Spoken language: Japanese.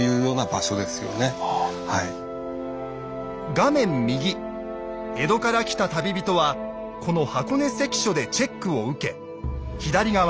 画面右江戸から来た旅人はこの箱根関所でチェックを受け左側